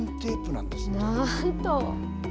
なんと。